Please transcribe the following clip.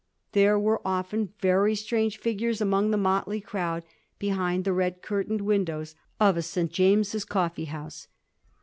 There were often very strange figures among the motley crowd behind the red curtained windows of a St. James's coffee house.